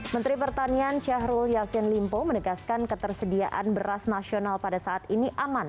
menteri pertanian syahrul yassin limpo menegaskan ketersediaan beras nasional pada saat ini aman